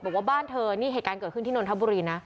บอกว่าบ้านเธอนี่เหตุการณ์เกิดขึ้นที่นนทบุรีนะ